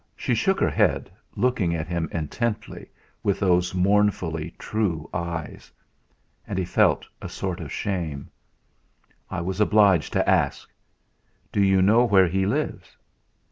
She shook her head, looking at him intently, with those mournfully true eyes. And he felt a sort of shame. "I was obliged to ask. Do you know where he lives?"